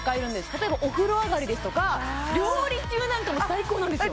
例えばお風呂上がりですとか料理中なんかも最高なんですよ